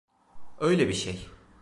Öyle bir şey.